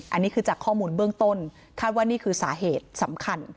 อันนี้คือจากข้อมูลเบื้องต้นคาดว่านี่คือสาเหตุสำคัญ